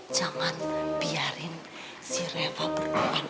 jangan biarin si reva berduaan aja sama si boy